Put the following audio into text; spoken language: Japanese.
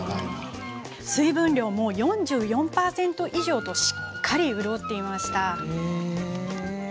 水分量も４４％以上としっかり潤っていました。